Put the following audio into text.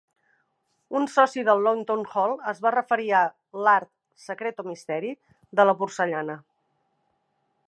Un soci del Longton Hall es va referir a "L'art, secret o misteri" de la porcellana.